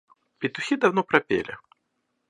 Петухи давно пропели.